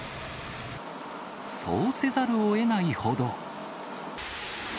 そうせざるをえないほど。